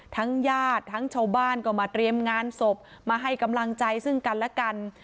ญาติทั้งชาวบ้านก็มาเตรียมงานศพมาให้กำลังใจซึ่งกันและกัน